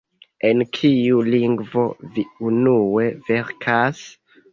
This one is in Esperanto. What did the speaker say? En kiu lingvo vi unue verkas?